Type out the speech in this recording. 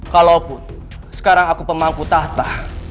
kalaupun sekarang aku pemangku tahta